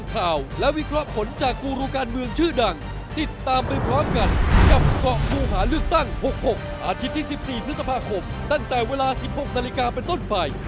สวัสดีครับทุกคน